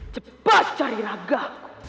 cepat cari ragaku